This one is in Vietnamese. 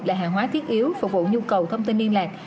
là hàng hóa thiết yếu phục vụ nhu cầu thông tin liên lạc